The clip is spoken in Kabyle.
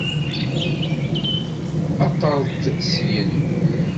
Aṭer-d syin!